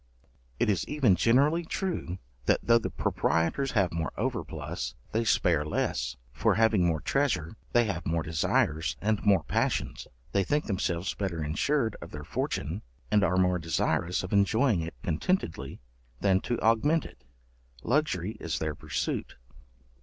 It is even generally true, that, though the proprietors have more overplus, they spare less; for, having more treasure, they have more desires, and more passions; they think themselves better ensured of their fortune; and are more desirous of enjoying it contentedly, than to augment it; luxury is their pursuit.